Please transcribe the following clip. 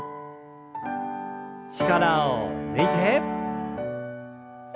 力を抜いて。